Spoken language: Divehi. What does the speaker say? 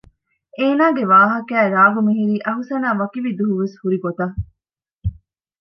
އޭނާގެ ވާހަކަޔާއި ރާގު މިހިރީ އަހުސަނާ ވަކިވި ދުވަހު ވެސް ހުރި ގޮތަށް